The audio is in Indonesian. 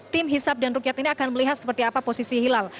tim hisap dan rukyat ini akan melihat seperti apa posisi hilal